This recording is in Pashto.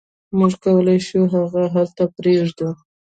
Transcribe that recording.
موږ کولی شو هغه هلته پریږدو